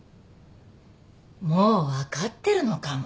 もう分かってるのかも。